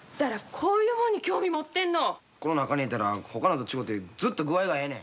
この中に入れたらほかのと違てずっと具合がええねん。